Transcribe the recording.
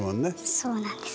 そうなんです。